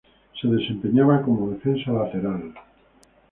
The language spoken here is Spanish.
Se desempeñaba como defensa lateral.